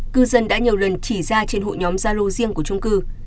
cư dân đã nhiều lần chỉ ra trên hội nhóm